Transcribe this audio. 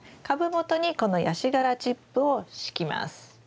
株元にこのヤシ殻チップを敷きます。